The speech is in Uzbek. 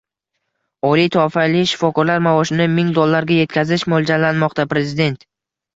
Oliy toifali shifokorlar maoshini ming dollarga yetkazish mo‘ljallanmoqda – Prezidentng